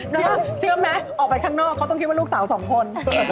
เชื่อไหมออกไปข้างนอกเขาต้องคิดว่าลูกสาวสองคน